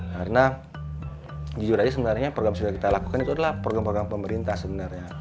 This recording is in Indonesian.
karena jujur aja sebenarnya program yang sudah kita lakukan itu adalah program program pemerintah sebenarnya